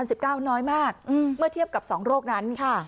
สิบเก้าน้อยมากเมื่อเทียบกับสองโรคนั้นค่ะ